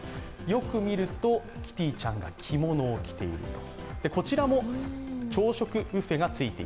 よく見るとキティちゃんが着物を着ていると。